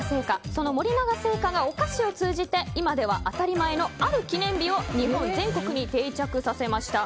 その森永製菓がお菓子を通じて今では当たり前のある記念日を日本全国に定着させました。